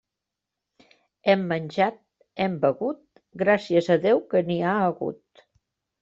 Hem menjat, hem begut, gràcies a Déu que n'hi ha hagut.